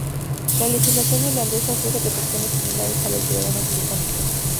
La legislación irlandesa ofrece protecciones similares a los ciudadanos británicos.